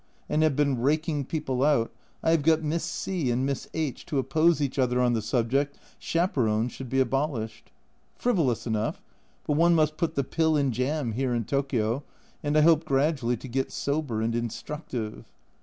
and have been raking people out I have got Miss C and Miss H to oppose each other on the subject, " Chaperons should be abolished." Frivolous enough but one must put the pill in jam here in Tokio, and I hope gradually to get sober and instructive.